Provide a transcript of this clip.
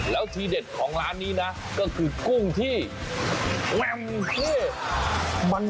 แล้วทีเด็ดของร้านนี้นะก็คือกุ้งที่แม่มเท่